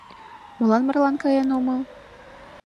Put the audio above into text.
Молан марлан каен омыл?